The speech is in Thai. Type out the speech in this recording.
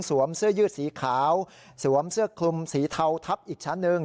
เสื้อยืดสีขาวสวมเสื้อคลุมสีเทาทับอีกชั้นหนึ่ง